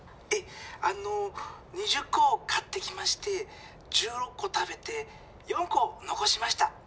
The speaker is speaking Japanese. ええあの２０こ買ってきまして１６こ食べて４このこしました。